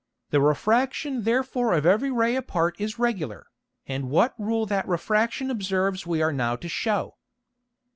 The Refraction therefore of every Ray apart is regular, and what Rule that Refraction observes we are now to shew.